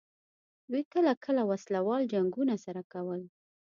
دوی کله کله وسله وال جنګونه سره کول.